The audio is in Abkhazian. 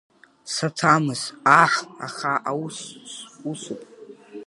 Саҭамыз, аҳ, аха аус усуп!